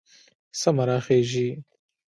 سمه راخېژي